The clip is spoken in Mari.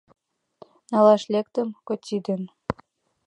Налаш лектым коти ден.